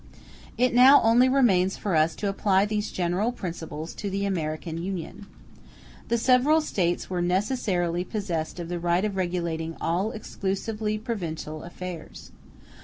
It now only remains for us to apply these general principles to the American Union. The several States were necessarily possessed of the right of regulating all exclusively provincial affairs.